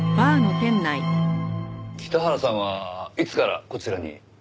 北原さんはいつからこちらに？